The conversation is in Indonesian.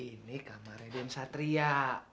ini kamarnya den satria